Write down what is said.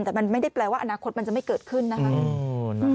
แต่มันไม่ได้แปลว่าอนาคตมันจะไม่เกิดขึ้นนะคะ